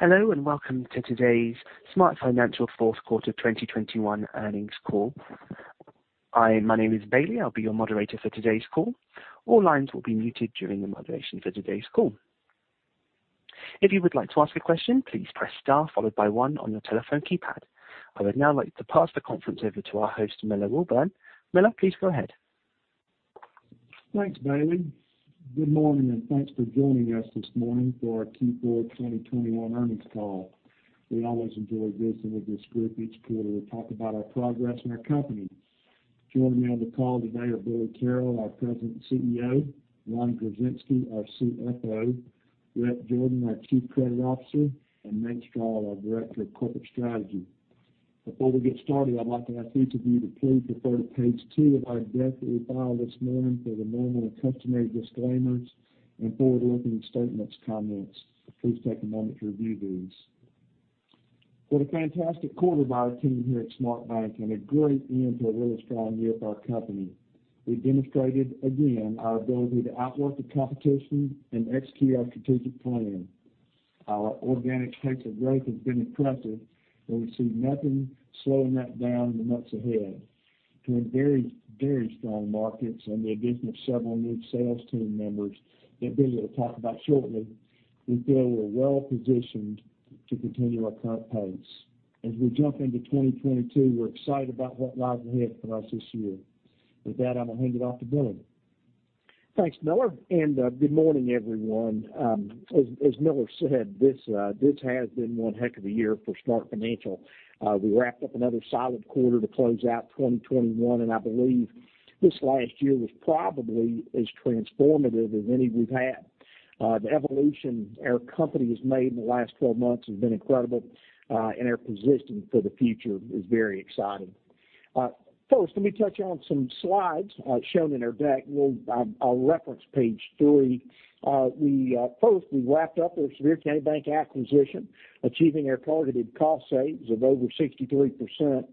Hello, and welcome to today's SmartFinancial Fourth Quarter 2021 Earnings Call. My name is Bailey. I'll be your moderator for today's call. All lines will be muted during the moderation for today's call. If you would like to ask a question, please press star followed by one on your telephone keypad. I would now like to pass the conference over to our host, Miller Welborn. Miller, please go ahead. Thanks, Bailey. Good morning and thanks for joining us this morning for our Q4 2021 earnings call. We always enjoy visiting with this group each quarter to talk about our progress and our company. Joining me on the call today are Billy Carroll, our President and CEO, Ron Gorczynski, our CFO, Rhett Jordan, our Chief Credit Officer, and Nate Strall, our Director of Corporate Strategy. Before we get started, I'd like to ask each of you to please refer to page two of our deck that we filed this morning for the normal and customary disclaimers and forward-looking statements comments. Please take a moment to review these. What a fantastic quarter by our team here at SmartBank and a great end to a really strong year for our company. We demonstrated again our ability to outwork the competition and execute our strategic plan. Our organic rates of growth have been impressive, and we see nothing slowing that down in the months ahead. In very, very strong markets and the addition of several new sales team members that Billy will talk about shortly, we feel we're well-positioned to continue our current pace. As we jump into 2022, we're excited about what lies ahead for us this year. With that, I'm gonna hand it off to Billy. Thanks, Miller and good morning, everyone. As Miller said, this has been one heck of a year for SmartFinancial. We wrapped up another solid quarter to close out 2021, and I believe this last year was probably as transformative as any we've had. The evolution our company has made in the last 12 months has been incredible, and our position for the future is very exciting. First, let me touch on some slides shown in our deck. I'll reference page three. First, we wrapped up our Sevier County Bank acquisition, achieving our targeted cost saves of over 63%.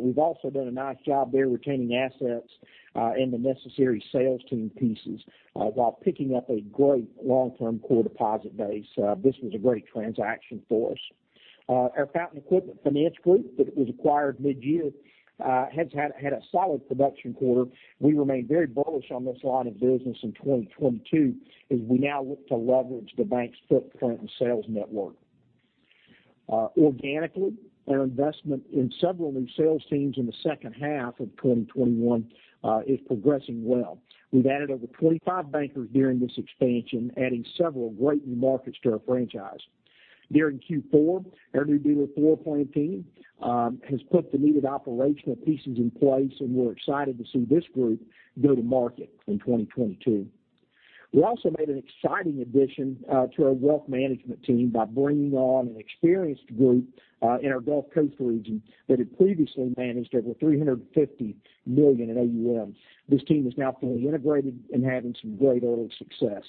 We've also done a nice job there retaining assets and the necessary sales team pieces while picking up a great long-term core deposit base. This was a great transaction for us. Our Fountain Equipment Finance group that was acquired midyear has had a solid production quarter. We remain very bullish on this line of business in 2022 as we now look to leverage the bank's footprint and sales network. Organically, our investment in several new sales teams in the second half of 2021 is progressing well. We've added over 25 bankers during this expansion, adding several great new markets to our franchise. During Q4, our new dealer floor planning team has put the needed operational pieces in place and we're excited to see this group go to market in 2022. We also made an exciting addition to our wealth management team by bringing on an experienced group in our Gulf Coast region that had previously managed over $350 million in AUM. This team is now fully integrated and having some great early success.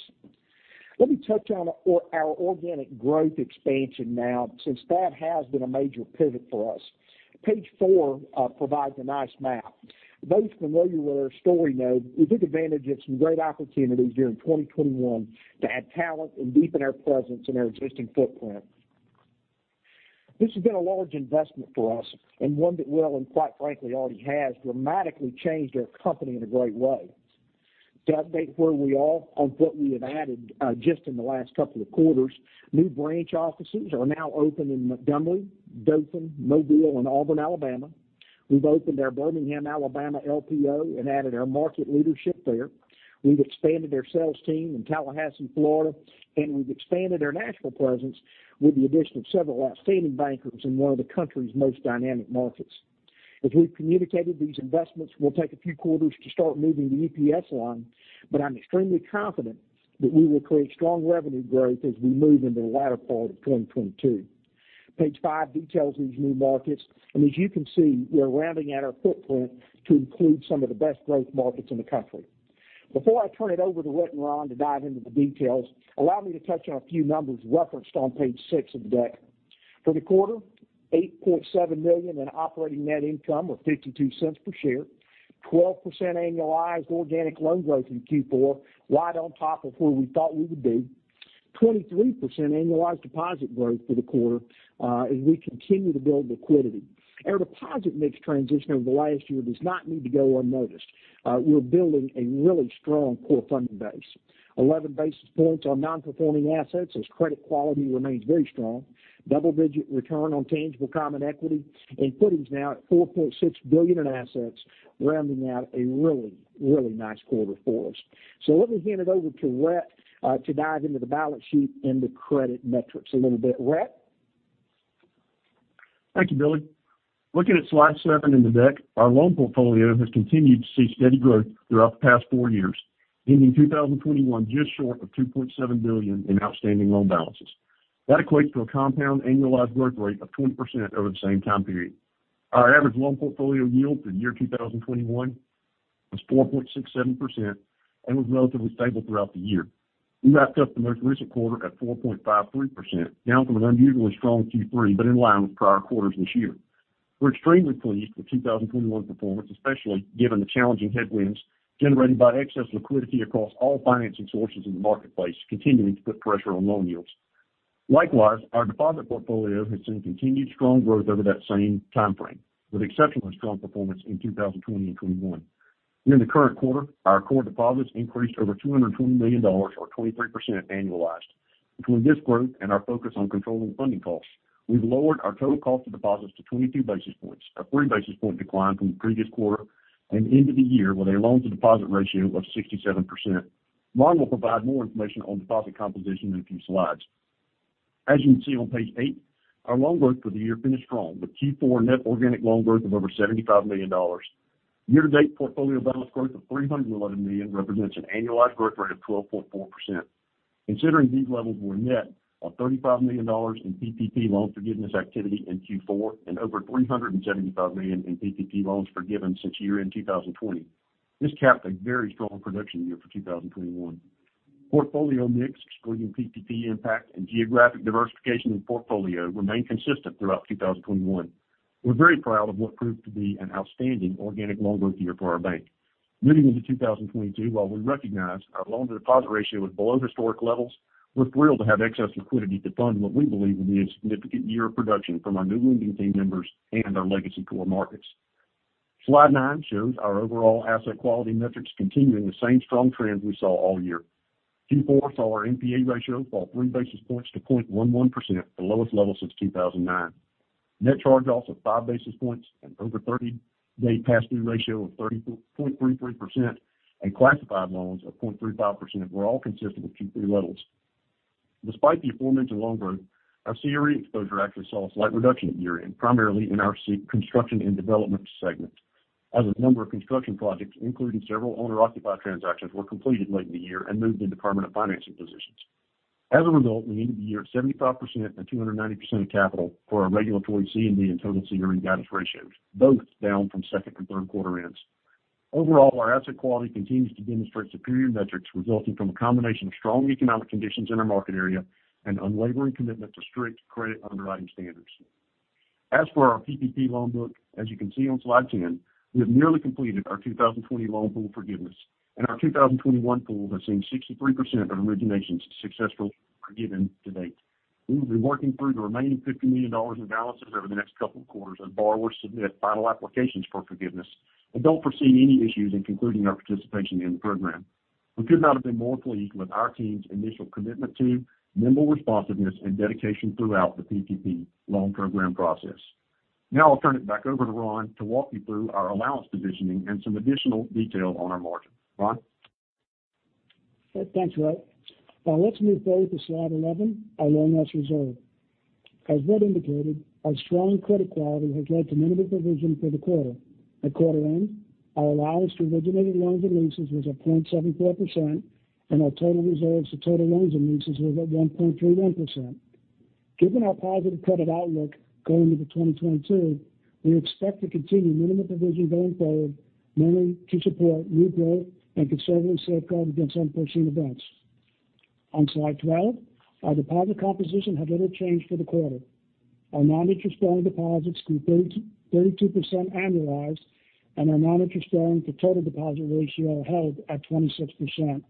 Let me touch on our organic growth expansion now since that has been a major pivot for us. Page four provides a nice map. Those familiar with our story know we took advantage of some great opportunities during 2021 to add talent and deepen our presence in our existing footprint. This has been a large investment for us and one that will, and quite frankly already has, dramatically changed our company in a great way. To update where we are on what we have added, just in the last couple of quarters, new branch offices are now open in Montgomery, Dothan, Mobile, and Auburn, Alabama. We've opened our Birmingham, Alabama, LPO and added our market leadership there. We've expanded our sales team in Tallahassee, Florida and we've expanded our national presence with the addition of several outstanding bankers in one of the country's most dynamic markets. As we've communicated, these investments will take a few quarters to start moving the EPS line but I'm extremely confident that we will create strong revenue growth as we move into the latter part of 2022. Page five details these new markets, and as you can see, we are rounding out our footprint to include some of the best growth markets in the country. Before I turn it over to Rhett and Ron to dive into the details, allow me to touch on a few numbers referenced on page six of the deck. For the quarter, $8.7 million in operating net income, or $0.52 per share, 12% annualized organic loan growth in Q4, right on top of where we thought we would be, 23% annualized deposit growth for the quarter, as we continue to build liquidity. Our deposit mix transition over the last year does not need to go unnoticed. We're building a really strong core funding base, 11 basis points on non-performing assets as credit quality remains very strong. Double-digit return on tangible common equity and putting us now at $4.6 billion in assets, rounding out a really, really nice quarter for us. Let me hand it over to Rhett to dive into the balance sheet and the credit metrics a little bit. Rhett? Thank you, Billy. Looking at slide seven in the deck, our loan portfolio has continued to see steady growth throughout the past four years, ending 2021 just short of $2.7 billion in outstanding loan balances. That equates to a compound annualized growth rate of 20% over the same time period. Our average loan portfolio yield for the year 2021 was 4.67% and was relatively stable throughout the year. We wrapped up the most recent quarter at 4.53%, down from an unusually strong Q3 but in line with prior quarters this year. We're extremely pleased with 2021 performance, especially given the challenging headwinds generated by excess liquidity across all financing sources in the marketplace, continuing to put pressure on loan yields. Likewise, our deposit portfolio has seen continued strong growth over that same time frame with exceptionally strong performance in 2020 and 2021. During the current quarter, our core deposits increased over $220 million or 23% annualized. Between this growth and our focus on controlling funding costs, we've lowered our total cost of deposits to 22 basis points, a 3 basis point decline from the previous quarter and end of the year with a loan to deposit ratio of 67%. Ron will provide more information on deposit composition in a few slides. As you can see on page eight, our loan growth for the year finished strong with Q4 net organic loan growth of over $75 million. Year to date portfolio balance growth of $311 million represents an annualized growth rate of 12.4%. Considering these levels were net of $35 million in PPP loan forgiveness activity in Q4 and over $375 million in PPP loans forgiven since year-end 2020. This capped a very strong production year for 2021. Portfolio mix, excluding PPP impact and geographic diversification in portfolio remained consistent throughout 2021. We're very proud of what proved to be an outstanding organic loan growth year for our bank. Moving into 2022, while we recognize our loan to deposit ratio is below historic levels, we're thrilled to have excess liquidity to fund what we believe will be a significant year of production from our new lending team members and our legacy core markets. Slide nine shows our overall asset quality metrics continuing the same strong trends we saw all year. Q4 saw our NPA ratio fall 3 basis points to 0.11%, the lowest level since 2009. Net charge-offs of 5 basis points, an over 30 day past due ratio of 34.33%, and classified loans of 0.35% were all consistent with Q3 levels. Despite the aforementioned loan growth, our CRE exposure actually saw a slight reduction at year-end, primarily in our construction and development segment, as a number of construction projects, including several owner-occupied transactions, were completed late in the year and moved into permanent financing positions. As a result, we ended the year at 75% and 290% of capital for our regulatory C&D and total CRE guidance ratios, both down from second and third quarter ends. Overall, our asset quality continues to demonstrate superior metrics resulting from a combination of strong economic conditions in our market area and unwavering commitment to strict credit underwriting standards. As for our PPP loan book, as you can see on slide 10, we have nearly completed our 2020 loan pool forgiveness, and our 2021 pool has seen 63% of originations successfully forgiven to date. We will be working through the remaining $50 million in balances over the next couple of quarters as borrowers submit final applications for forgiveness, and don't foresee any issues in concluding our participation in the program. We could not have been more pleased with our team's initial commitment to nimble responsiveness, and dedication throughout the PPP loan program process. Now I'll turn it back over to Ron to walk you through our allowance provisioning and some additional detail on our margin. Ron? Thanks, Rhett. Now let's move forward to slide 11, our loan loss reserve. As Rhett indicated, our strong credit quality has led to minimal provision for the quarter. At quarter end, our allowance to originated loans and leases was at 0.74%, and our total reserves to total loans and leases was at 1.31%. Given our positive credit outlook going into 2022, we expect to continue minimal provision going forward, mainly to support new growth and conservative safeguard against unforeseen events. On slide 12, our deposit composition has little changed for the quarter. Our non-interest bearing deposits grew 32% annualized, and our non-interest bearing to total deposit ratio held at 26%.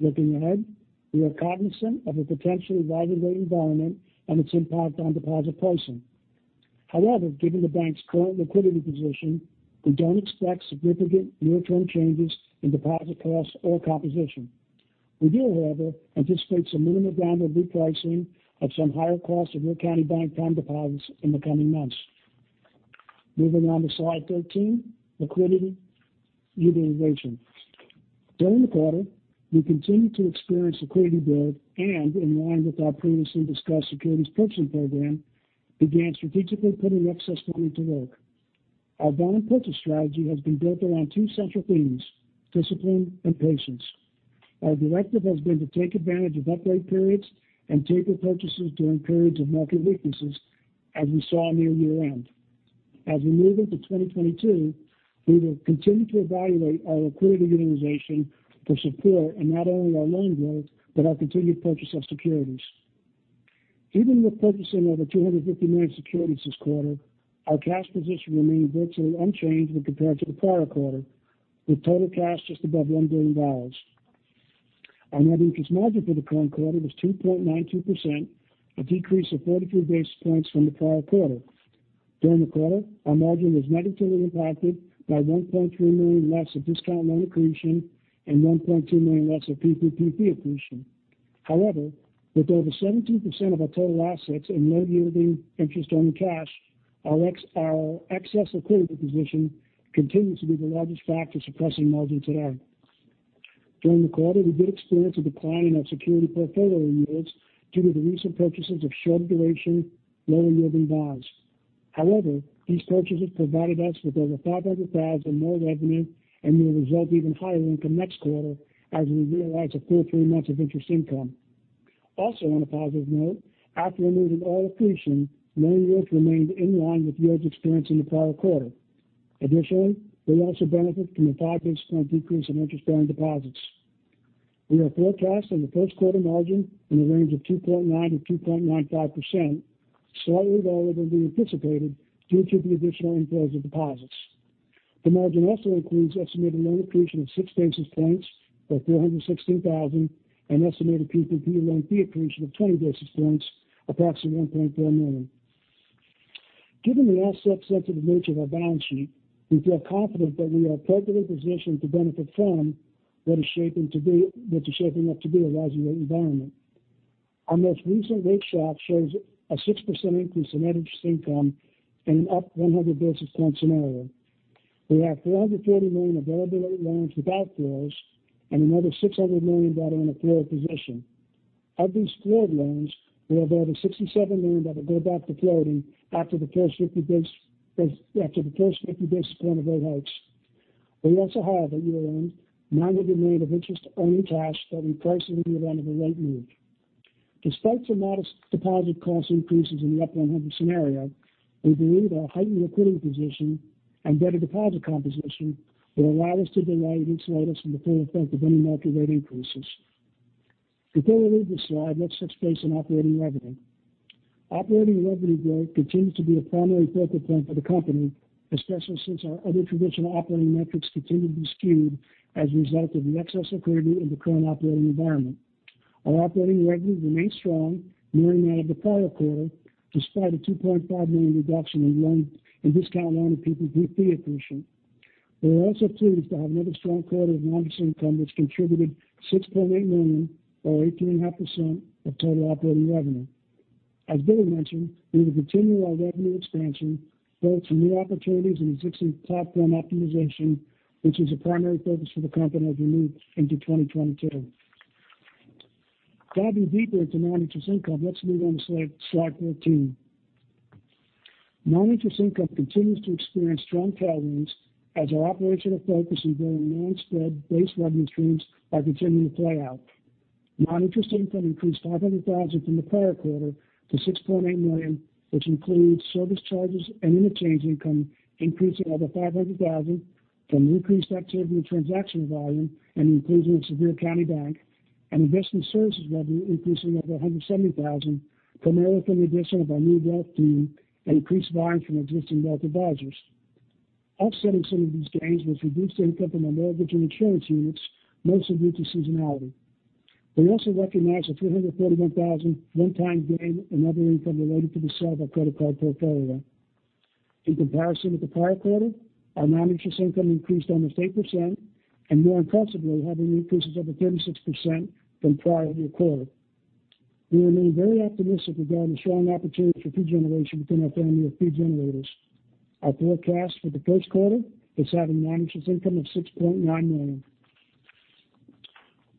Looking ahead, we are cognizant of a potentially volatile rate environment and its impact on deposit pricing. However, given the bank's current liquidity position, we don't expect significant near-term changes in deposit costs or composition. We do, however, anticipate some minimal round of repricing of some higher-cost Sevier County Bank time deposits in the coming months. Moving on to slide 13, liquidity utilization. During the quarter, we continued to experience liquidity growth and in line with our previously discussed securities purchasing program, began strategically putting excess money to work. Our bond purchase strategy has been built around two central themes. Discipline and patience. Our directive has been to take advantage of uptrend periods and taper purchases during periods of market weaknesses, as we saw near year-end. As we move into 2022, we will continue to evaluate our liquidity utilization for support in not only our loan growth, but our continued purchase of securities. Even with purchasing over 250 million securities this quarter, our cash position remained virtually unchanged when compared to the prior quarter, with total cash just above $1 billion. Our net interest margin for the current quarter was 2.92%, a decrease of 33 basis points from the prior quarter. During the quarter, our margin was negatively impacted by $1.3 million less of discount loan accretion and $1.2 million less of PPP fee accretion. However, with over 17% of our total assets and non-yielding interest on cash, our excess liquidity position continues to be the largest factor suppressing margin today. During the quarter, we did experience a decline in our securities portfolio yields due to the recent purchases of short duration, lower yielding bonds. However, these purchases provided us with over $500,000 more revenue and will result even higher income next quarter as we realize a full three months of interest income. Also on a positive note, after removing all accretion, loan growth remained in line with yields experienced in the prior quarter. Additionally, we also benefited from a 5 basis point decrease in interest bearing deposits. We are forecasting the first quarter margin in the range of 2.9%-2.95%, slightly lower than we anticipated due to the additional inflows of deposits. The margin also includes estimated loan accretion of 6 basis points or $416,000 and estimated PPP loan fee accretion of 20 basis points, approximately $1.4 million. Given the asset-sensitive nature of our balance sheet, we feel confident that we are appropriately positioned to benefit from what is shaping up to be a rising rate environment. Our most recent rate shock shows a 6% increase in net interest income and up 100 basis points in ROA. We have $430 million variable rate loans without floors and another $600 million that are in a floor position. Of these floored loans, we have over $67 million that will go back to floating after the first 50 basis points of rate hikes. We also have at year-end, $900 million of interest-earning cash that we price in the event of a rate move. Despite some modest deposit cost increases in the up 100 scenario, we believe our heightened liquidity position and better deposit composition will allow us to insulate ourselves from the full effect of any market rate increases. Before we leave this slide, let's touch base on operating revenue. Operating revenue growth continues to be a primary focal point for the company, especially since our other traditional operating metrics continue to be skewed as a result of the excess liquidity in the current operating environment. Our operating revenue remained strong, nearing that of the prior quarter, despite a $2.5 million reduction in loan discount and PPP fee accretion. We were also pleased to have another strong quarter of non-interest income, which contributed $6.8 million or 18.5% of total operating revenue. As Billy mentioned, we will continue our revenue expansion, both from new opportunities and existing platform optimization, which is a primary focus for the company as we move into 2022. Diving deeper into non-interest income, let's move on to slide 14. Non-interest income continues to experience strong tailwinds as our operational focus on growing non-spread base revenue streams are continuing to play out. Non-interest income increased $500,000 from the prior quarter to $6.8 million, which includes service charges and interchange income increasing over $500,000 from increased activity and transaction volume and the inclusion of Sevier County Bank. Investment services revenue increasing over $170,000 primarily from the addition of our new wealth team and increased volumes from existing wealth advisors. Offsetting some of these gains was reduced income from our mortgage and insurance units, mostly due to seasonality. We also recognized a $331,000 one-time gain in other income related to the sale of our credit card portfolio. In comparison with the prior quarter, our non-interest income increased almost 8% and more impressively, having increases over 36% from prior year quarter. We remain very optimistic regarding strong opportunities for fee generation within our family of fee generators. Our forecast for the first quarter is to have a non-interest income of $6.9 million.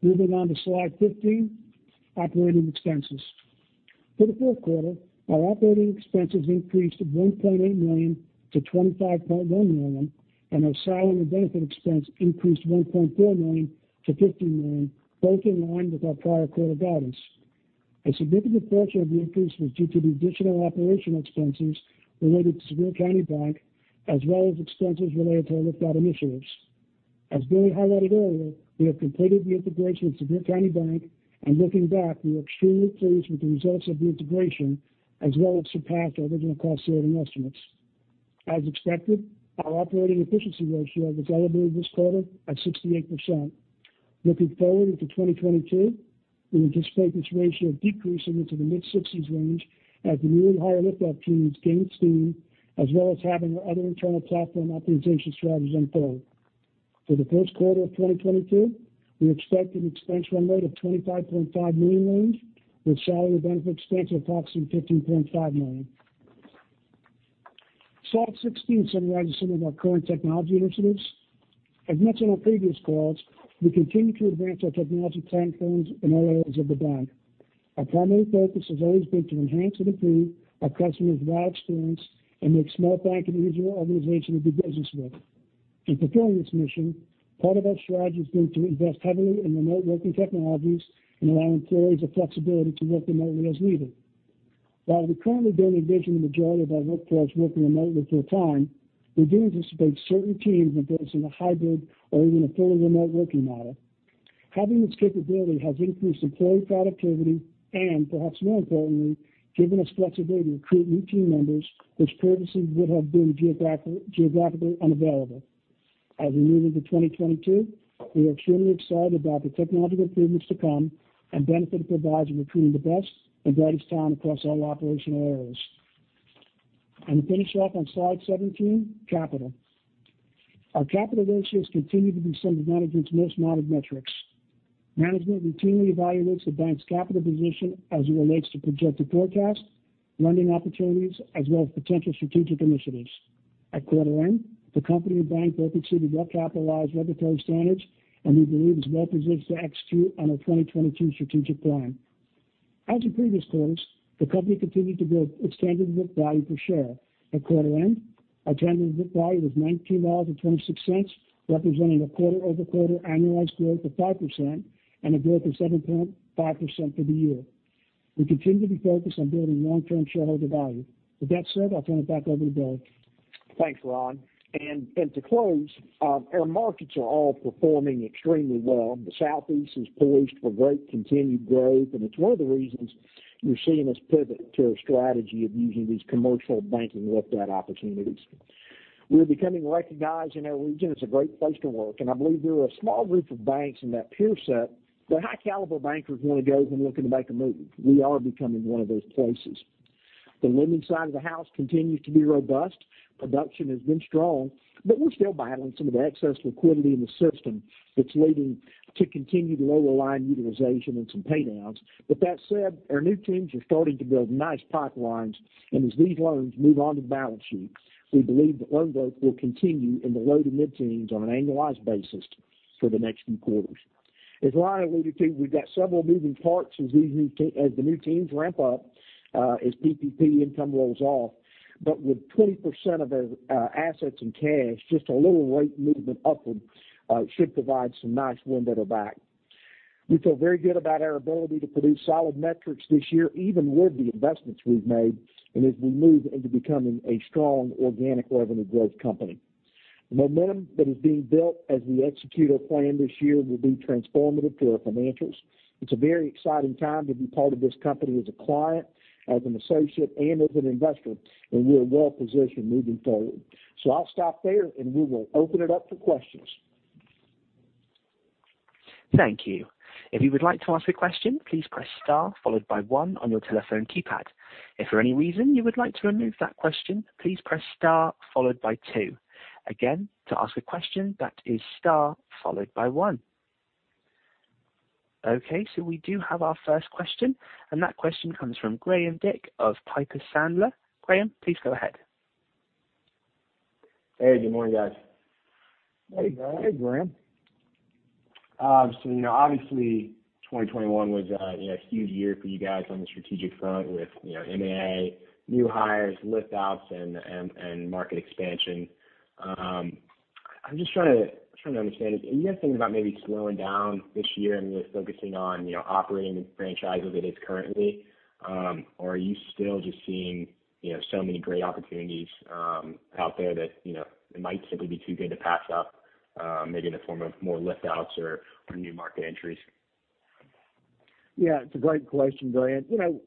Moving on to slide 15, operating expenses. For the fourth quarter, our operating expenses increased $1.8 million to $25.1 million and our salary and benefit expense increased $1.4 million to $15 million, both in line with our prior quarter guidance. A significant portion of the increase was due to the additional operational expenses related to Sevier County Bank as well as expenses related to our Lift Out initiatives. As Billy highlighted earlier, we have completed the integration of Sevier County Bank. Looking back, we are extremely pleased with the results of the integration as well as surpassed our original cost-saving estimates. As expected, our operating efficiency ratio was elevated this quarter at 68%. Looking forward into 2022, we anticipate this ratio decreasing into the mid-60s range as the new and higher Lift Out teams gain steam as well as having our other internal platform optimization strategies unfold. For the first quarter of 2022, we expect an expense run rate of $25.5 million range, with salary benefit expense of approximately $15.5 million. Slide 16 summarizes some of our current technology initiatives. As mentioned on previous calls, we continue to advance our technology platforms in all areas of the bank. Our primary focus has always been to enhance and improve our customers' bank experience and make SmartBank an easier organization to do business with. In fulfilling this mission, part of our strategy has been to invest heavily in remote working technologies and allowing employees the flexibility to work remotely as needed. While we currently don't envision the majority of our workforce working remotely full-time, we do anticipate certain teams embracing a hybrid or even a fully remote working model. Having this capability has increased employee productivity and perhaps more importantly, given us flexibility to recruit new team members which previously would have been geographically unavailable. As we move into 2022, we are extremely excited about the technological improvements to come and benefit of providing recruiting the best and brightest talent across all operational areas. To finish off on slide 17, capital. Our capital ratios continue to be some of management's most monitored metrics. Management routinely evaluates the bank's capital position as it relates to projected forecasts, lending opportunities, as well as potential strategic initiatives. At quarter end, the company and bank both exceeded well-capitalized regulatory standards and we believe is well-positioned to execute on our 2022 strategic plan. As in previous quarters, the company continued to build its tangible book value per share. At quarter end, our tangible book value was $19.26, representing a quarter-over-quarter annualized growth of 5% and a growth of 7.5% for the year. We continue to be focused on building long-term shareholder value. With that said, I'll turn it back over to Billy. Thanks, Ron. To close, our markets are all performing extremely well. The Southeast is poised for great continued growth, and it's one of the reasons you're seeing this pivot to a strategy of using these commercial banking lift-out opportunities. We're becoming recognized in our region as a great place to work, and I believe there are a small group of banks in that peer set where high caliber bankers want to go when looking to make a move. We are becoming one of those places. The lending side of the house continues to be robust. Production has been strong, but we're still battling some of the excess liquidity in the system that's leading to continued lower line utilization and some pay downs. That said, our new teams are starting to build nice pipelines, and as these loans move onto the balance sheet, we believe that loan growth will continue in the low to mid-teens on an annualized basis for the next few quarters. As Ron alluded to, we've got several moving parts as the new teams ramp up, as PPP income rolls off, with 20% of their assets in cash, just a little rate movement upward should provide some nice wind at our back. We feel very good about our ability to produce solid metrics this year even with the investments we've made, and as we move into becoming a strong organic revenue growth company. The momentum that is being built as we execute our plan this year will be transformative to our financials. It's a very exciting time to be part of this company as a client, as an associate, and as an investor, and we're well positioned moving forward. I'll stop there and we will open it up for questions. Okay, we do have our first question, and that question comes from Graham Dick of Piper Sandler. Graham, please go ahead. Hey, good morning, guys. Hey, Graham. Hey, Graham. You know, obviously 2021 was, you know, a huge year for you guys on the strategic front with, you know, M&A, new hires, lift outs, and market expansion. I'm just trying to understand, are you guys thinking about maybe slowing down this year and just focusing on, you know, operating the franchise as it is currently? Are you still just seeing, you know, so many great opportunities, you know, out there that, you know, it might simply be too good to pass up, maybe in the form of more lift outs or new market entries? Yeah, it's a great question, Graham. You know,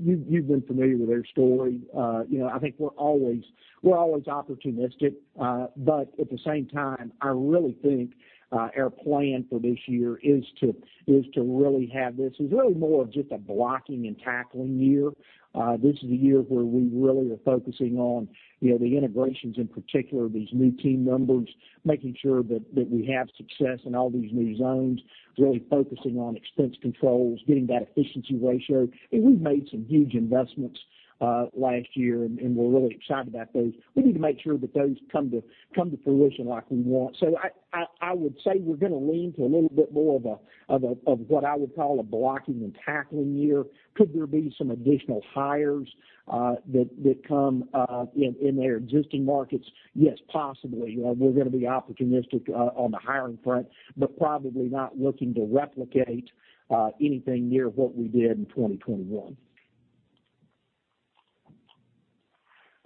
you've been familiar with our story. You know, I think we're always opportunistic. But at the same time, I really think our plan for this year is really more of just a blocking and tackling year. This is a year where we really are focusing on, you know, the integrations, in particular, these new team members, making sure that we have success in all these new zones, really focusing on expense controls, getting that efficiency ratio. We've made some huge investments last year and we're really excited about those. We need to make sure that those come to fruition like we want. I would say we're gonna lean to a little bit more of what I would call a blocking and tackling year. Could there be some additional hires that come in their existing markets? Yes, possibly. We're gonna be opportunistic on the hiring front, but probably not looking to replicate anything near what we did in 2021.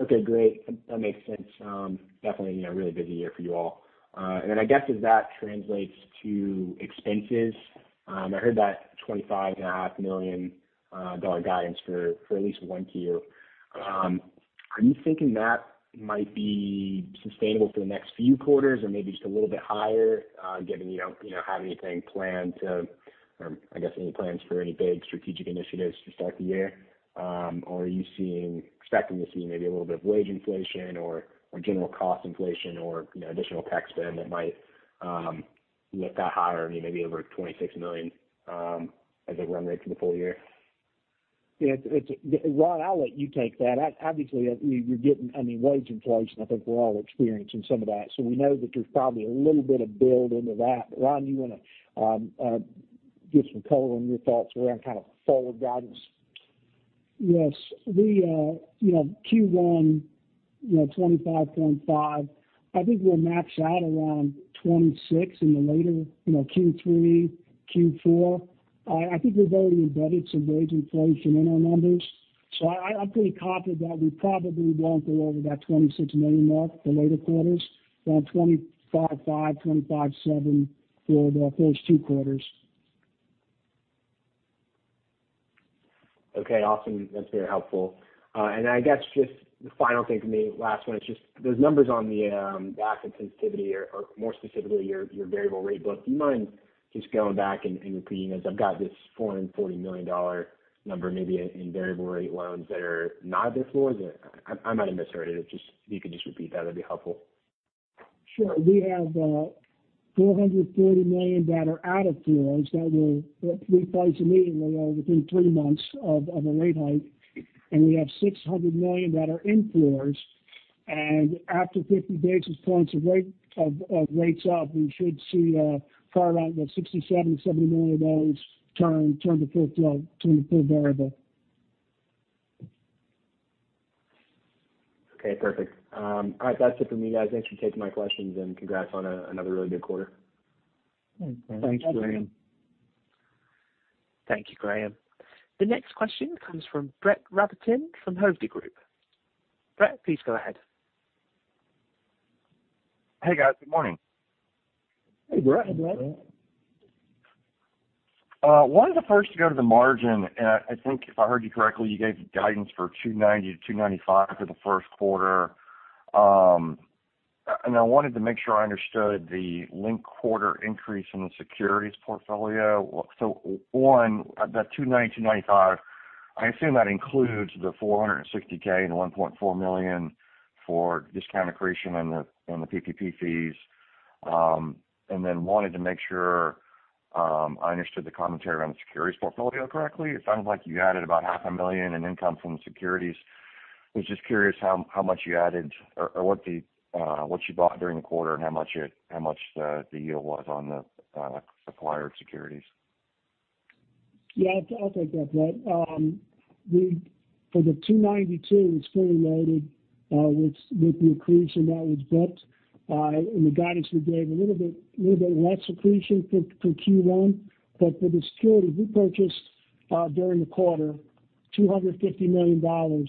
Okay, great. That makes sense. Definitely, you know, a really busy year for you all. I guess as that translates to expenses, I heard that $25.5 million dollar guidance for at least 1Q. Are you thinking that might be sustainable for the next few quarters or maybe just a little bit higher, given you don't, you know, have anything planned to, or I guess, any plans for any big strategic initiatives to start the year? Are you seeing, expecting to see maybe a little bit of wage inflation or general cost inflation or, you know, additional tax spend that might lift that higher, maybe over $26 million, as a run rate for the full year? Yeah, Ron, I'll let you take that. Obviously, you're getting, I mean, wage inflation, I think we're all experiencing some of that. We know that there's probably a little bit of build into that. Ron, you wanna give some color on your thoughts around kind of forward guidance? Yes. The Q1, you know, $25.5 million, I think we'll max out around $26 million in the latter, you know, Q3, Q4. I think we've already embedded some wage inflation in our numbers. I'm pretty confident that we probably won't go over that $26 million mark for later quarters. Around $25.5 million, $25.7 million for the first two quarters. Okay, awesome. That's very helpful. I guess just the final thing for me, last one. It's just those numbers on the asset sensitivity or more specifically your variable rate book. Do you mind just going back and repeating those? I've got this $440 million number maybe in variable rate loans that are not before. Is it? I might have misheard it. Just, if you could just repeat that'd be helpful. Sure. We have $440 million that are out of floors that will reprice immediately or within three months of a rate hike. We have $600 million that are in floors. After 50 basis points of rates up, we should see probably around about $67 million-$70 million of those turn to full 15 variable. Okay, perfect. All right, that's it for me, guys. Thanks for taking my questions, and congrats on another really good quarter. Thanks, Graham. Thank you, Graham. The next question comes from Brett Rabatin from Hovde Group. Brett, please go ahead. Hey, guys. Good morning. Hey, Brett. Hey, Brett. I wanted to first go to the margin. I think if I heard you correctly, you gave guidance for 2.90%-2.95% for the first quarter. I wanted to make sure I understood the linked quarter increase in the securities portfolio. One, that 2.90%-2.95%, I assume that includes the $460,000 and the $1.4 million for discount accretion and the PPP fees. Then I wanted to make sure I understood the commentary around the securities portfolio correctly. It sounds like you added about $500,000 in income from the securities. Was just curious how much you added or what you bought during the quarter and how much the yield was on the acquired securities? Yeah. I'll take that, Brett. For the 2.92%, it's fully loaded with the accretion that was booked in the guidance we gave. A little bit less accretion for Q1 but for the securities we purchased during the quarter $250 million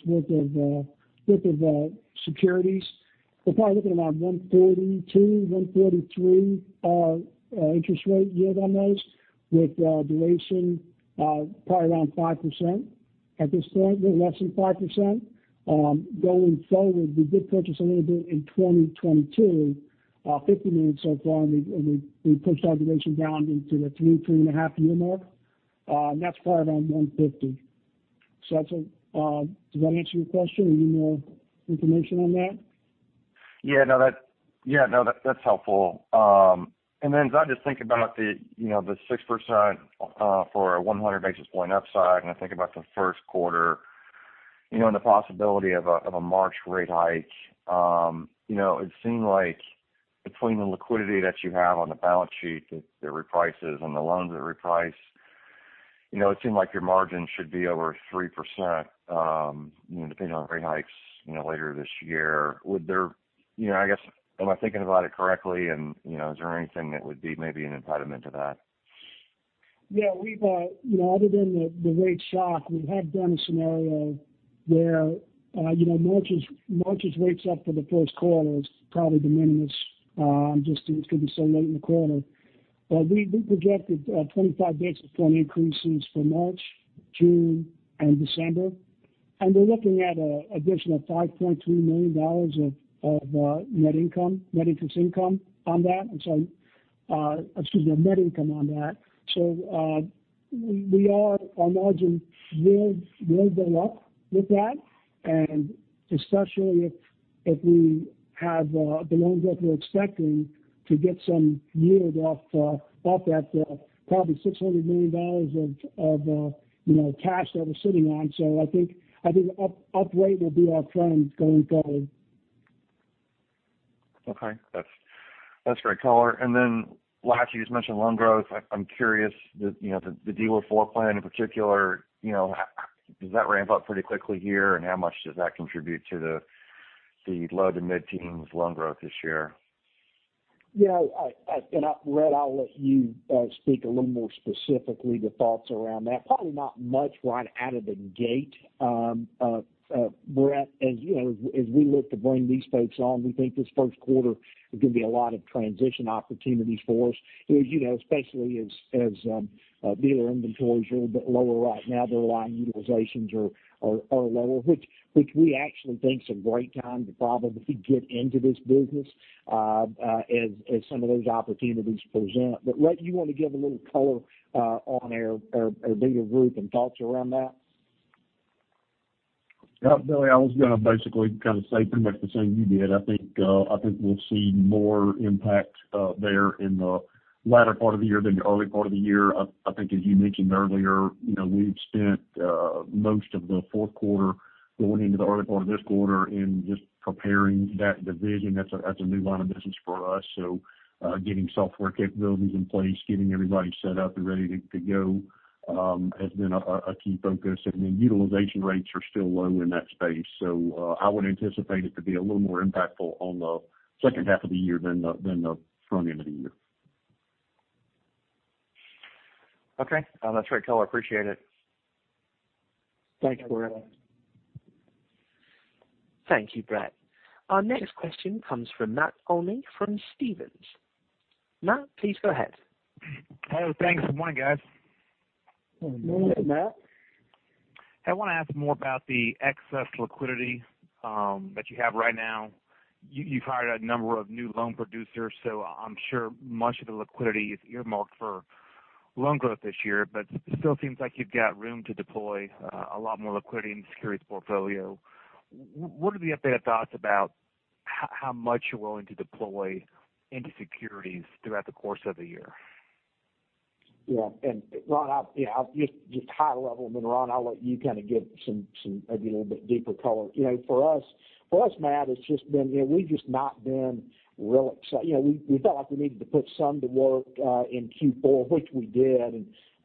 worth of securities. We're probably looking around 1.42%-1.43% interest rate yield on those with duration probably around 5% at this point. A little less than 5%. Going forward, we did purchase a little bit in 2022 $50 million so far, and we pushed our duration down into the three to three and half year mark. That's probably around 1.50%, so that's a--does that answer your question or you need more information on that? That's helpful. As I just think about the 6% for 100 basis points upside and I think about the first quarter, you know, and the possibility of a March rate hike, you know, it seemed like between the liquidity that you have on the balance sheet that reprices and the loans that reprice, you know, it seemed like your margin should be over 3%, you know, depending on rate hikes later this year. You know, I guess, am I thinking about it correctly? Is there anything that would be maybe an impediment to that? Yeah. We've, you know, other than the rate shock, we have done a scenario where, you know, March is rates up for the first quarter is probably de minimis, just it's gonna be so late in the quarter. We projected 25 basis point increases for March, June, and December. We're looking at a additional $5.2 million of net income, net interest income on that. I'm sorry, excuse me, net income on that. We are, our margin will go up with that. Especially if we have the loan growth we're expecting to get some yield off that, probably $600 million of, you know, cash that we're sitting on. I think up rate will be our friend going forward. Okay, that's great color. Lastly, you just mentioned loan growth. I'm curious, you know, the dealer floor plan in particular, you know, how does that ramp up pretty quickly here, and how much does that contribute to the low- to mid-teens loan growth this year? Yeah. Brett, I'll let you speak a little more specifically the thoughts around that. Probably not much right out of the gate. Brett, as you know, as we look to bring these folks on, we think this first quarter is gonna be a lot of transition opportunities for us. You know, especially as dealer inventories are a little bit lower right now, their line utilizations are lower, which we actually think is a great time to probably get into this business, as some of those opportunities present. Rhett, do you want to give a little color on our dealer group and thoughts around that? Yeah. Billy, I was gonna basically kind of say pretty much the same you did. I think we'll see more impact there in the latter part of the year than the early part of the year. I think as you mentioned earlier, you know, we've spent most of the fourth quarter going into the early part of this quarter in just preparing that division. That's a new line of business for us. Getting software capabilities in place, getting everybody set up and ready to go has been a key focus. Utilization rates are still low in that space. I would anticipate it to be a little more impactful on the second half of the year than the front end of the year. Okay, that's great color. Appreciate it. Thanks, Brett. Thank you, Brett. Our next question comes from Matt Olney from Stephens. Matt, please go ahead. Hey, thanks. Good morning, guys. Good morning, Matt. Morning, Matt. I want to ask more about the excess liquidity that you have right now. You've hired a number of new loan producers, so I'm sure much of the liquidity is earmarked for loan growth this year, but it still seems like you've got room to deploy a lot more liquidity in the securities portfolio. What are the updated thoughts about how much you're willing to deploy into securities throughout the course of the year? Yeah. Ron, yeah, I'll just high level. Ron, I'll let you kind of give some maybe a little bit deeper color. You know, for us, Matt, it's just been, you know, we've just not been real excited, you know, we felt like we needed to put some to work in Q4, which we did.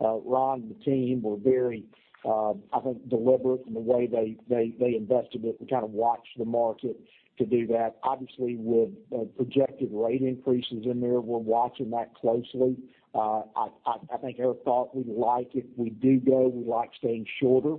Ron and the team were very, I think, deliberate in the way they invested it and kind of watched the market to do that. Obviously, with projected rate increases in there, we're watching that closely. I think our thought, we like if we do go, we like staying shorter,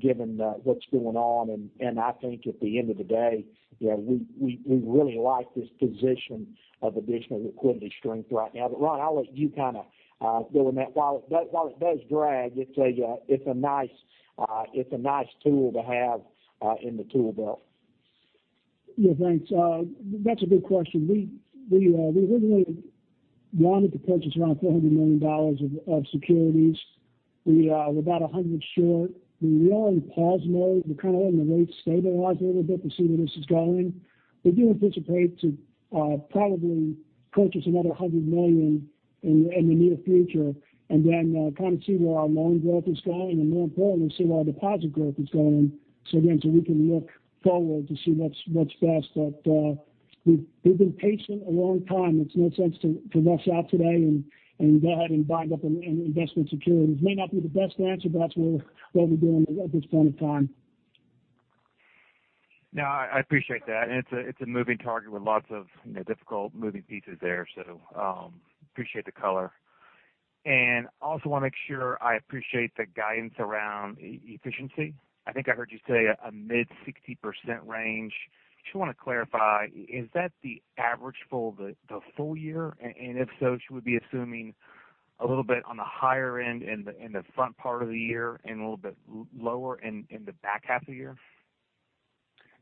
given what's going on. I think at the end of the day, you know, we really like this position of additional liquidity strength right now. Ron, I'll let you kind of deal with that. While it does drag, it's a nice tool to have in the tool belt. Yeah, thanks. That's a good question. We originally wanted to purchase around $400 million of securities. We are about $100 million short we are in pause mode. We're kind of letting the rates stabilize a little bit to see where this is going. We do anticipate to probably purchase another $100 million in the near future, and then kind of see where our loan growth is going, and more importantly, see where our deposit growth is going. Again, we can look forward to see what's best but we've been patient a long time. It makes no sense to rush out today and go ahead and tie up in investment securities. It may not be the best answer, but that's what we're doing at this point in time. No, I appreciate that. It's a moving target with lots of, you know, difficult moving pieces there, so appreciate the color. Also wanna make sure I appreciate the guidance around efficiency. I think I heard you say a mid-60% range. Just wanna clarify, is that the average for the full year? And if so, should we be assuming a little bit on the higher end in the front part of the year and a little bit lower in the back half of the year?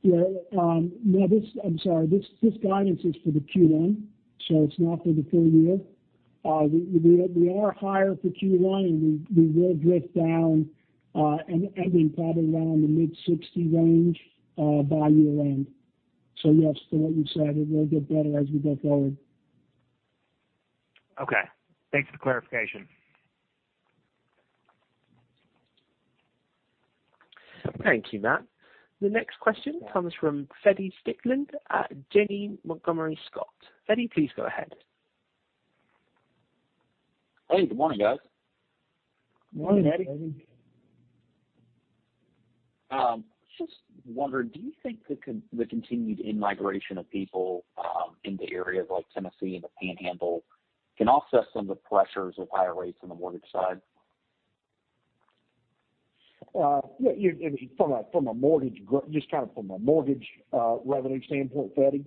Yeah. No, I'm sorry. This guidance is for the Q1, so it's not for the full year. We are higher for Q1 and we will drift down and ending probably around the mid-60 range by year end. Yes, to what you said, it will get better as we go forward. Okay. Thanks for the clarification. Thank you, Matt. The next question comes from Feddie Strickland at Janney Montgomery Scott. Feddie, please go ahead. Hey, good morning, guys. Morning, Feddie. Morning, Feddie. Just wondering, do you think the continued in-migration of people into areas like Tennessee and the Panhandle can offset some of the pressures of higher rates on the mortgage side? Yeah, you're from a mortgage revenue standpoint, Feddie? The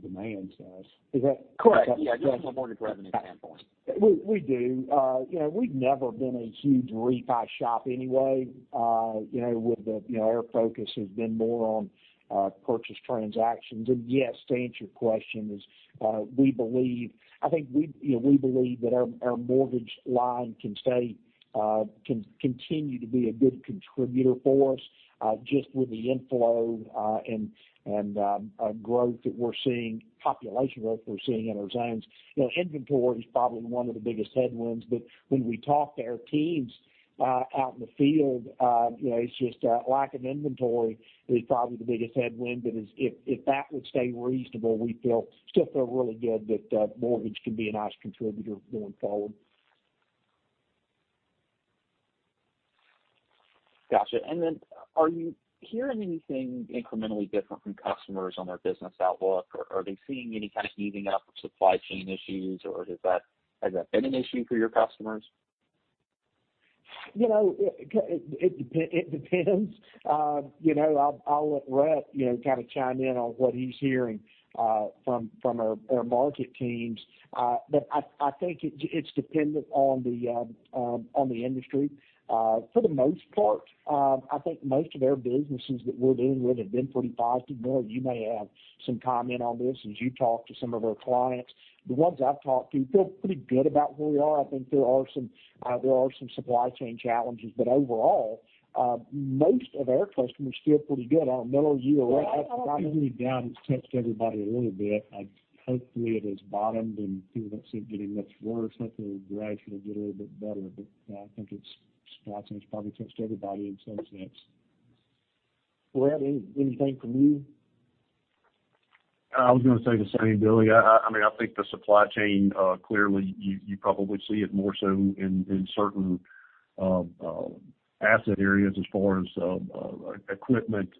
demand side. Is that- Correct. Yeah, just from a mortgage revenue standpoint. We do. You know, we've never been a huge refi shop anyway, you know, with the, you know, our focus has been more on purchase transactions. Yes, to answer your question is, we believe, I think we, you know, we believe that our mortgage line can stay, can continue to be a good contributor for us, just with the inflow, and growth that we're seeing, population growth we're seeing in our zones. You know, inventory is probably one of the biggest headwinds. When we talk to our teams out in the field, you know, it's just lack of inventory is probably the biggest headwind. If that would stay reasonable, we still feel really good that mortgage could be a nice contributor going forward. Gotcha. Are you hearing anything incrementally different from customers on their business outlook? Or are they seeing any kind of easing up of supply chain issues? Or has that been an issue for your customers? You know, it depends. You know, I'll let Rhett you know kind of chime in on what he's hearing from our market teams but I think it's dependent on the industry. For the most part, I think most of our businesses that we're dealing with have been pretty positive. Miller, you may have some comment on this as you talk to some of our clients. The ones I've talked to feel pretty good about where we are. I think there are some supply chain challenges, but overall most of our customers feel pretty good. I don't know, Miller, you or Rhett have probably-- I think without a doubt, it's touched everybody a little bit. Hopefully, it has bottomed and people don't see it getting much worse. Hopefully, it'll gradually get a little bit better. Yeah, I think it's, supply chain's probably touched everybody in some sense. Rhett, anything from you? I was gonna say the same, Billy. I mean, I think the supply chain clearly you probably see it more so in certain asset areas as far as equipment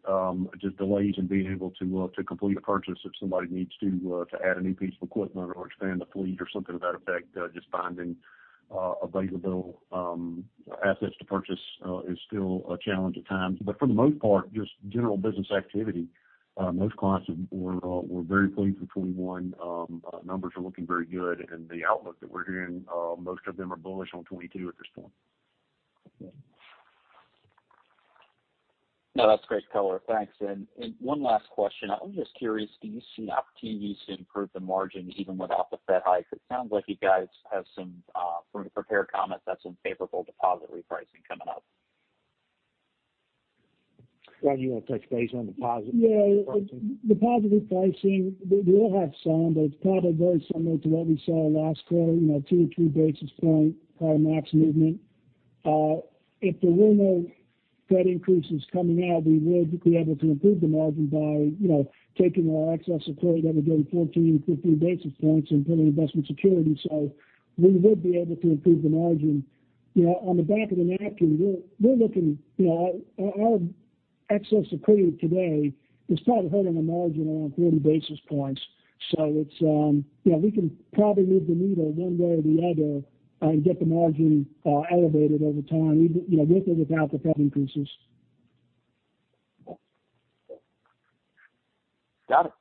just delays in being able to complete a purchase if somebody needs to add a new piece of equipment or expand the fleet or something to that effect. Just finding available assets to purchase is still a challenge at times. But for the most part, just general business activity, most clients were very pleased with 2021. Numbers are looking very good and the outlook that we're hearing most of them are bullish on 2022 at this point. Okay. No, that's great color. Thanks. One last question. I'm just curious, do you see opportunities to improve the margin even without the Fed hike? It sounds like you guys have some from the prepared comments, that's some favorable deposit repricing coming up. Ron, do you want to touch base on deposit? The positive pricing, we will have some, but it's probably very similar to what we saw last quarter, you know, 2 or 3 basis point compression movement. If there were no Fed increases coming out, we would be able to improve the margin by, you know, taking our excess security that would gain 14, 15 basis points and putting investment security. We would be able to improve the margin. You know, on the back of the napkin, we're looking, you know, our excess security today is probably holding a margin around 30 basis points. It's, you know, we can probably move the needle one way or the other and get the margin elevated over time, even, you know, with or without the Fed increases. Got it.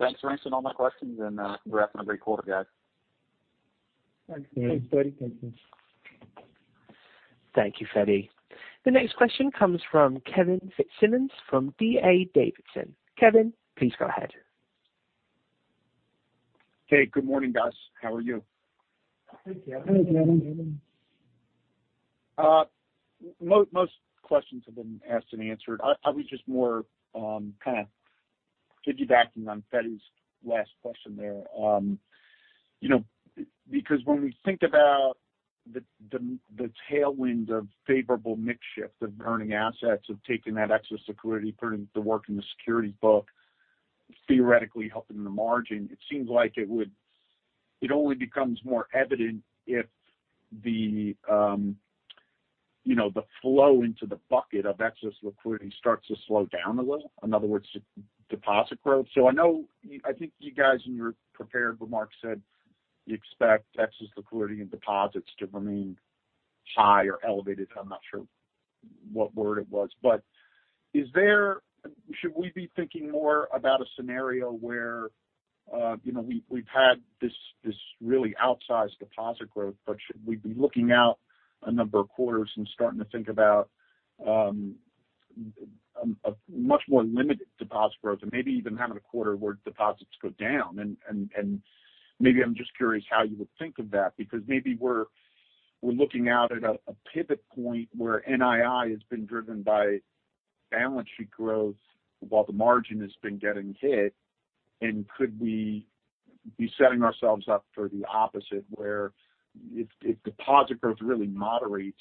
Thanks for answering all my questions and, congrats on a great quarter, guys. Thanks. Thanks, Feddie. Thank you. Thank you, Feddie. The next question comes from Kevin Fitzsimmons from D.A. Davidson. Kevin, please go ahead. Hey, good morning, guys. How are you? Hey, Kevin. Hey, Kevin. Most questions have been asked and answered. I was just more kind of piggybacking on Feddie's last question there. You know, because when we think about the tailwind of favorable mix shift of earning assets of taking that excess security, putting the work in the securities book, theoretically helping the margin, it seems like it would only become more evident if you know, the flow into the bucket of excess liquidity starts to slow down a little. In other words, deposit growth. I know I think you guys in your prepared remarks said you expect excess liquidity and deposits to remain high or elevated. I'm not sure what word it was. Should we be thinking more about a scenario where, you know, we've had this really outsized deposit growth, but should we be looking out a number of quarters and starting to think about a much more limited deposit growth and maybe even having a quarter where deposits go down? Maybe I'm just curious how you would think of that, because maybe we're looking out at a pivot point where NII has been driven by balance sheet growth while the margin has been getting hit. Could we be setting ourselves up for the opposite, where if deposit growth really moderates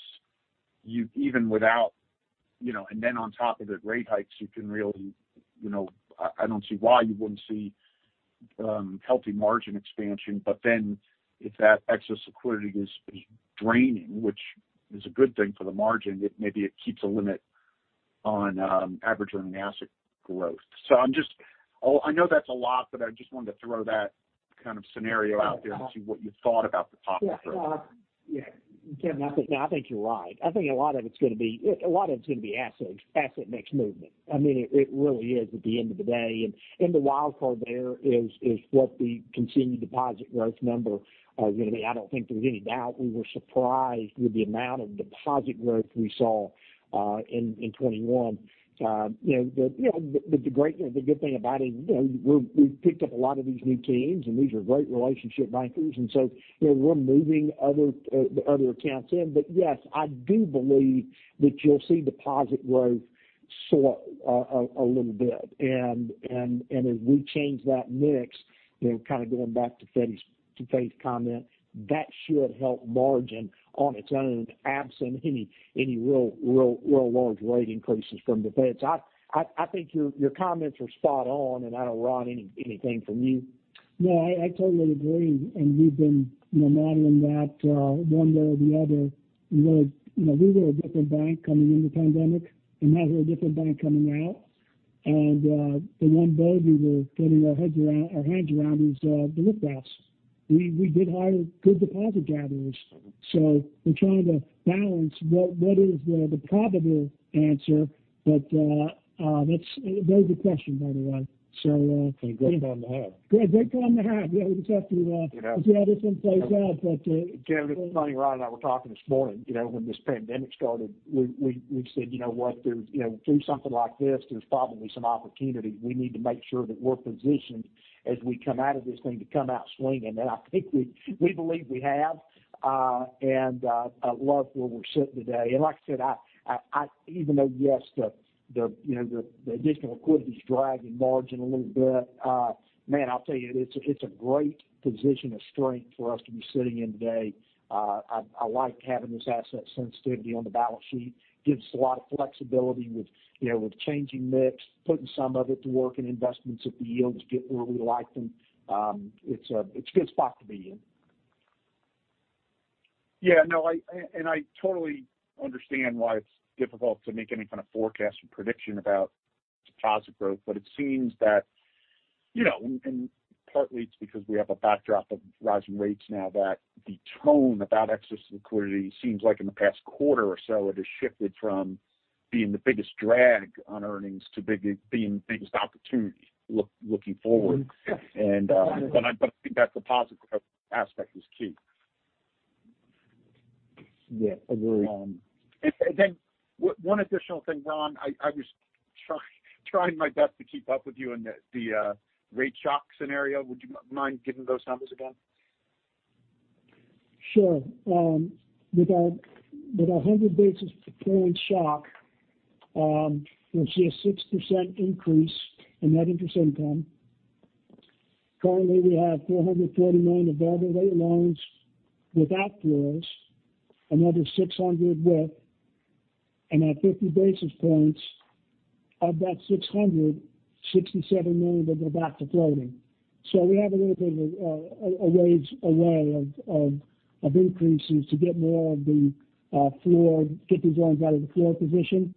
you even without, you know, and then on top of it, rate hikes, you can really, you know, I don't see why you wouldn't see healthy margin expansion. If that excess liquidity is draining, which is a good thing for the margin, it maybe keeps a limit on average earning asset growth. I'm just--I know that's a lot, but I just wanted to throw that kind of scenario out there and see what you thought about deposit growth. Yeah, Kevin, I think you're right. I think a lot of it's gonna be asset mix movement. I mean, it really is at the end of the day. The wild card there is what the continued deposit growth number are gonna be. I don't think there's any doubt we were surprised with the amount of deposit growth we saw in 2021. You know, the good thing about it, you know, we've picked up a lot of these new teams, and these are great relationship bankers. You know, we're moving the other accounts in. Yes, I do believe that you'll see deposit growth slow a little bit. As we change that mix, you know, kind of going back to Feddie's comment, that should help margin on its own, absent any real large rate increases from the Feds. I think your comments are spot on, and I don't want anything from you. No, I totally agree. We've been, you know, modeling that one way or the other. You know, we were a different bank coming in the pandemic, and now we're a different bank coming out. The one thing we were getting our hands around was the lift outs. We did hire good deposit gatherers. We're trying to balance what is the probable answer. That's a very good question, by the way. A great time to have. Great time to have. Yeah, we'll just have to You know. See how this one plays out. Kevin, it's funny. Ron and I were talking this morning. You know, when this pandemic started, we said, "You know what? You know, through something like this, there's probably some opportunity. We need to make sure that we're positioned as we come out of this thing to come out swinging." I think we believe we have, and I love where we're sitting today. Like I said, even though yes, you know, the additional liquidity is dragging margin a little bit, man, I'll tell you, it's a great position of strength for us to be sitting in today. I like having this asset sensitivity on the balance sheet gives us a lot of flexibility with, you know, with changing mix, putting some of it to work in investments if the yields get where we like them. It's a good spot to be in. Yeah, no, I totally understand why it's difficult to make any kind of forecast or prediction about deposit growth. It seems that, you know, and partly it's because we have a backdrop of rising rates now that the tone about excess liquidity seems like in the past quarter or so, it has shifted from being the biggest drag on earnings to being the biggest opportunity looking forward. Yes. I think that deposit growth aspect is key. Yeah, agreed. One additional thing, Ron. I was trying my best to keep up with you in the rate shock scenario. Would you mind giving those numbers again? Sure. With our 100 basis point shock, we'll see a 6% increase in net interest income. Currently, we have $430 million variable rate loans without floors, another $600 million with. At 50 basis points, of that $600 million, $67 million will go back to floating. We have a little bit of a ways to go to get more of these loans out of the floor position.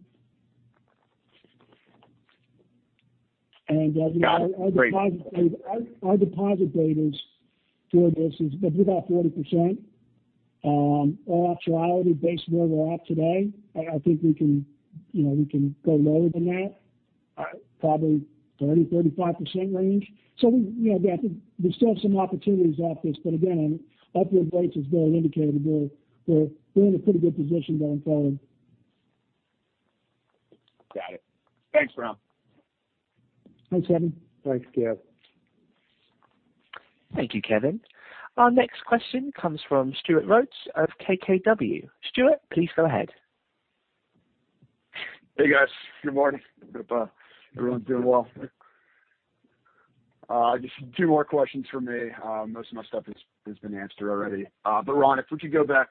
Got it. Great. Our deposit betas for this is a little about 40%. In all actuality based on where we're at today, I think we can go lower than that, probably 30%-35% range. We, you know, I think there's still some opportunities off this. Again, our base is very indicative that we're in a pretty good position going forward. Got it. Thanks, Ron. Thanks, Kevin. Thanks, Kevin. Thank you, Kevin. Our next question comes from Stuart Rhodes of KBW. Stuart, please go ahead. Hey, guys. Good morning. Hope everyone's doing well. Just two more questions from me. Most of my stuff has been answered already. Ron, if we could go back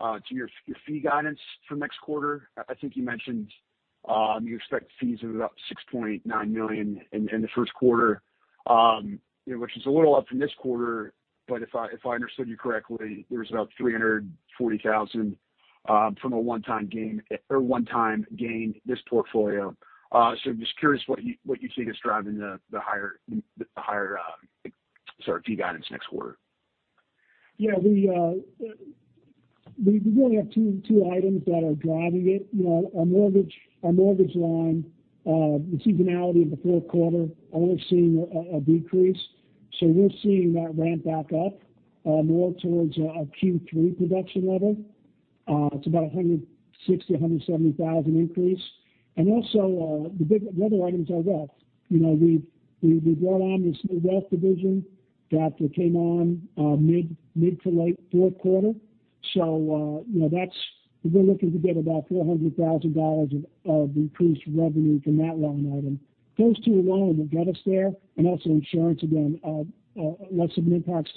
to your fee guidance for next quarter. I think you mentioned you expect fees of about $6.9 million in the first quarter. You know, which is a little up from this quarter, but if I understood you correctly, there was about $340,000 from a one-time gain on this portfolio. So just curious what you see as driving the higher fee guidance next quarter? Yeah. We really have two items that are driving it. You know, our mortgage line, the seasonality of the fourth quarter, always seeing a decrease. We're seeing that ramp back up more towards our Q3 production level. It's about a $160,000-$170,000 increase. The other items are wealth, you know, we brought on this new wealth division that came on mid to late fourth quarter, you know, that's. We're looking to get about $400,000 of increased revenue from that one item. Those two alone will get us there. Insurance again, less of an impact.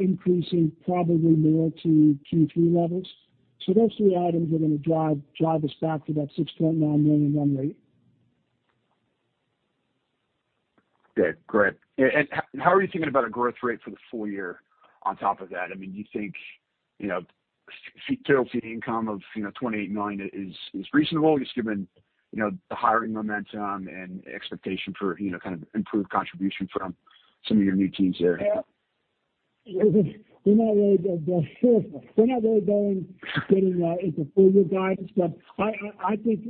Increasing probably more to Q3 levels. Those three items are gonna drive us back to that $6.9 million run rate. Okay. Great. How are you thinking about a growth rate for the full year on top of that? I mean, do you think, you know, total fee income of, you know, $28 million is reasonable just given, you know, the hiring momentum and expectation for, you know, kind of improved contribution from some of your new teams there? Yeah. We're not really getting into full year guidance. I think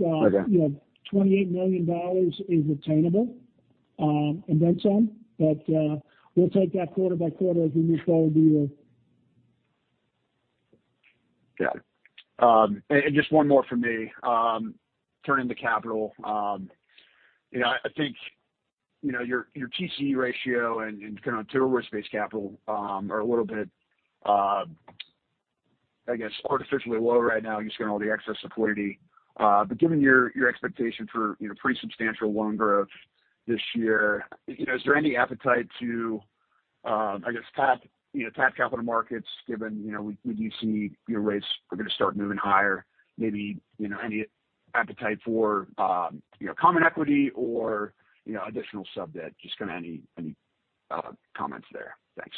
Okay. You know, $28 million is attainable, and then some. We'll take that quarter by quarter as we move forward through the year. Got it. Just one more for me. Turning to capital. You know, I think you know your TCE ratio and kind of Tier 1 risk-based capital are a little bit I guess artificially low right now just given all the excess liquidity. But given your expectation for you know pretty substantial loan growth this year, you know, is there any appetite to I guess tap you know tap capital markets given you know do you see your rates are gonna start moving higher? Maybe you know any appetite for you know common equity or you know additional sub-debt? Just kind of any comments there? Thanks.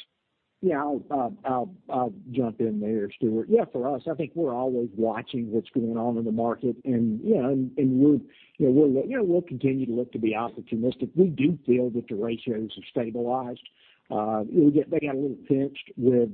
Yeah. I'll jump in there, Stuart. Yeah, for us, I think we're always watching what's going on in the market and we're, you know, we'll continue to look to be opportunistic. We do feel that the ratios have stabilized. They got a little pinched with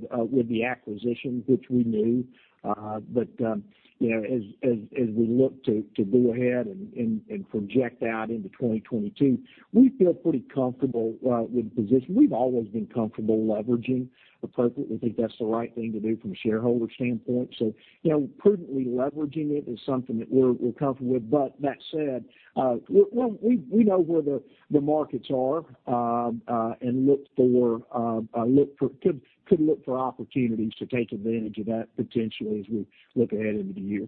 the acquisitions, which we knew. You know, as we look to go ahead and project out into 2022, we feel pretty comfortable with the position. We've always been comfortable leveraging appropriately. We think that's the right thing to do from a shareholder standpoint. You know, prudently leveraging it is something that we're comfortable with. We know where the markets are and could look for opportunities to take advantage of that potentially as we look ahead into the year.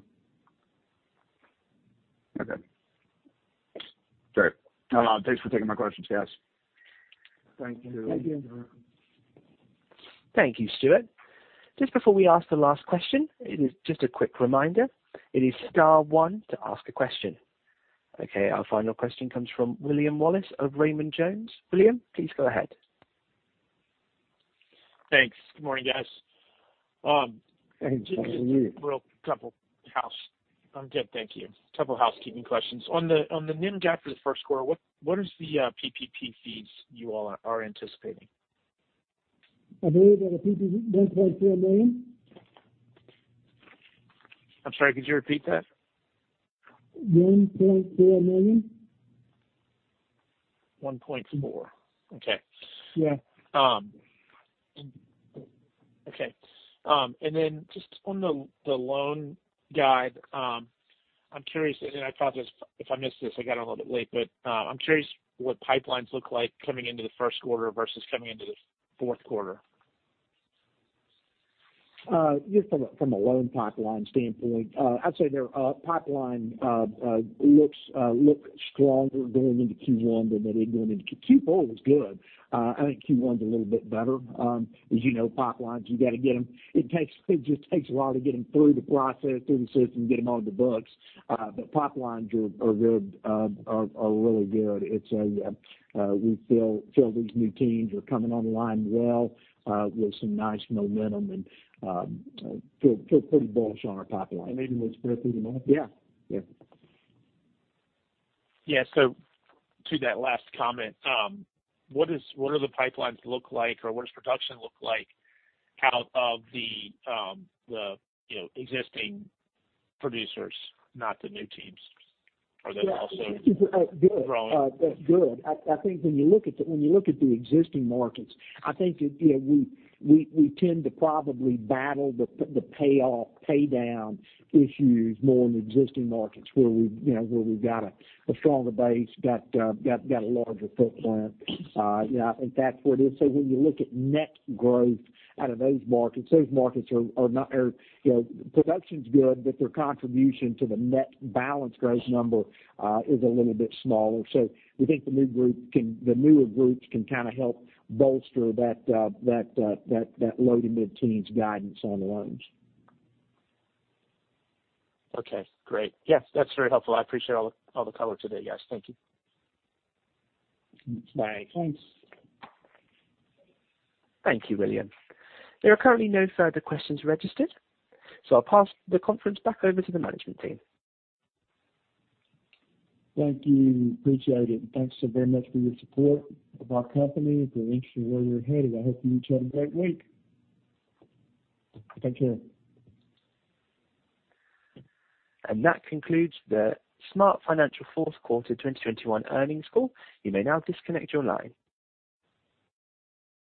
Okay. Great. Thanks for taking my questions, guys. Thank you. Thank you. Thank you, Stuart. Just before we ask the last question, it is just a quick reminder. It is star one to ask a question. Okay, our final question comes from William Wallace of Raymond James. William, please go ahead. Thanks. Good morning, guys. Hey, good morning to you. I'm good, thank you. Couple housekeeping questions. On the NIM gap for the first quarter, what is the PPP fees you all are anticipating? I believe that the PPP $1.4 million. I'm sorry, could you repeat that? $1.4 million. $1.4 million. Okay. Yeah. Just on the loan guide, I'm curious, and I apologize if I missed this. I got on a little bit late, but I'm curious what pipelines look like coming into the first quarter versus coming into the fourth quarter.? Just from a loan pipeline standpoint, I'd say their pipeline looks stronger going into Q1 than they did going into Q4. Q4 was good. I think Q1's a little bit better. As you know, pipelines, you got the get them. It just takes a while to get them through the process, through the system, get them on the books but pipelines are good, are really good. We feel these new teams are coming online well with some nice momentum and feel pretty bullish on our pipeline. Maybe just briefly, William? Yeah. Yeah. To that last comment, what do the pipelines look like or what does production look like out of the you know existing producers, not the new teams? Are they also growing? Yeah. Good. I think when you look at the existing markets, I think that you know we tend to probably battle the payoff, paydown issues more in the existing markets where we've you know where we've got a stronger base, got a larger footprint. Yeah, I think that's what it is. When you look at net growth out of those markets, those markets are not. You know, production's good, but their contribution to the net balance growth number is a little bit smaller. We think the new group can, the newer groups can kind of help bolster that low to mid-teens guidance on the loans. Okay, great. Yeah, that's very helpful. I appreciate all the color today, guys. Thank you. Bye. Thanks. Thank you, William. There are currently no further questions registered, so I'll pass the conference back over to the management team. Thank you. Appreciate it. Thanks so very much for your support of our company, if you're interested in where we're headed. I hope you each have a great week. Take care. That concludes the SmartFinancial fourth quarter 2021 earnings call. You may now disconnect your line.